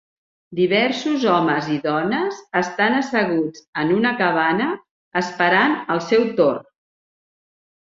Diversos homes i dones estan asseguts en una cabana esperant el seu torn.